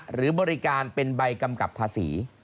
หรือบริการเป็นใบกำกับภาษี